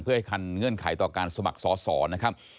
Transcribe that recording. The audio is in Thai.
เพื่อให้คันเงื่อนไขต่อการสมัครสอสอนะครับ